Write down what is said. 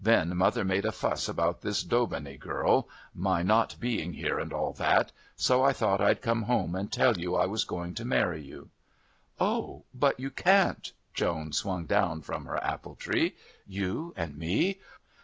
Then mother made a fuss about this Daubeney girl my not being here and all that so I thought I'd come home and tell you I was going to marry you." "Oh, but you can't." Joan swung down from her appletree. "You and me?